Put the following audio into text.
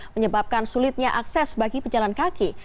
menyebabkan sulitnya akses bagi pejalan kaki